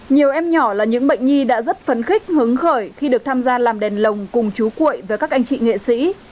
nhiều em nhỏ là những bệnh nhi đã rất phấn khích hứng khởi khi được tham gia làm đèn lồng cùng chú cuội với các anh chị nghệ sĩ